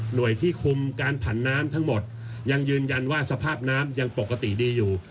โดยที่คุมการผันน้ำทั้งหมดยังยืนยันว่าสภาพน้ำยังปกติดีอยู่